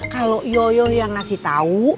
kalau yoyo yang ngasih tahu